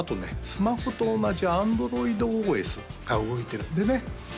スマホと同じＡｎｄｒｏｉｄＯＳが動いてるんでね